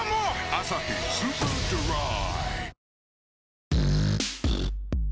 「アサヒスーパードライ」